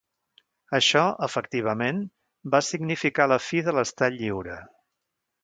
Això, efectivament, va significar la fi de l'estat lliure.